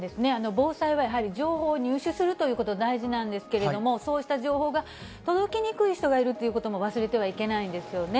防災はやはり情報を入手するということが大事なんですけれども、そうした情報が届きにくい人がいるということも忘れてはいけないですよね。